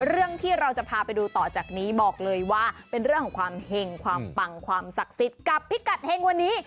เรื่องที่เราจะพาไปดูต่อจากนี้บอกเลยว่าเป็นเรื่องของความเห็งความปังความศักดิ์สิทธิ์กับพิกัดเฮงวันนี้